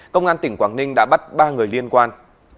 công an tỉnh quảng ninh đã bắt ba người liên quan